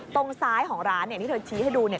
ตรงซ้ายของร้านเนี่ยที่เธอชี้ให้ดูเนี่ย